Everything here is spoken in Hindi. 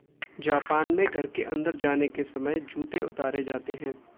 जापान में घर के अंदर जाने के समय जूते उतारे जाते हैं।